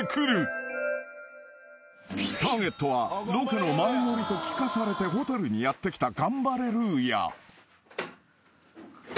［ターゲットはロケの前乗りと聞かされてホテルにやって来た］